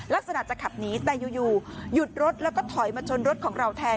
ลักษณะจะขับหนีแต่อยู่หยุดรถแล้วก็ถอยมาชนรถของเราแทน